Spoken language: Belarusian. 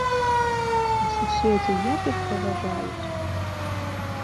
А суседзі як іх паважаюць.